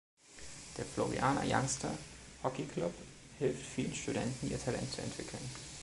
Der Floriana Youngstar Hockey Club hilft vielen Studenten, ihr Talent zu entwickeln.